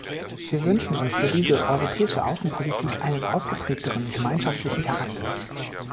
Wir wünschen uns für diese europäische Außenpolitik einen ausgeprägteren gemeinschaftlichen Charakter.